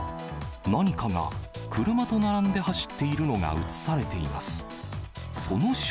何かが車と並んで走っているのが写されています。